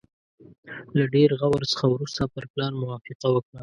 له ډېر غور څخه وروسته پر پلان موافقه وکړه.